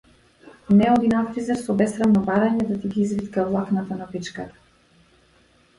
Не оди на фризер со бесрамно барање да ти ги извитка влакната на пичката.